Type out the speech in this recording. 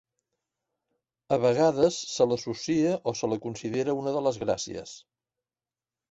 A vegades se l'associa o se la considera una de les Gràcies.